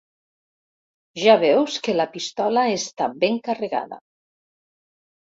Ja veus que la pistola està ben carregada.